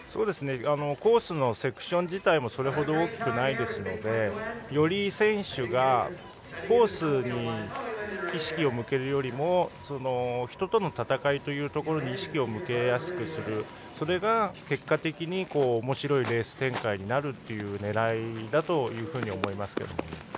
コースのセクション自体もそれほど大きくないですのでより選手がコースに意識を向けるよりも人との戦いというところに意識を向けやすくするそれが結果的におもしろいレース展開になるという狙いだと思います。